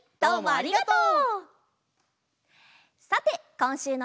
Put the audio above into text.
ありがとう！